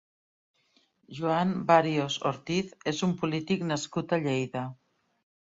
Juan Barios Ortiz és un polític nascut a Lleida.